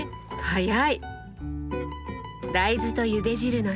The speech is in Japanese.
早い！